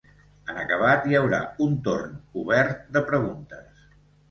En acabat, hi haurà un torn obert de preguntes.